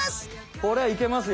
これはいけますよ！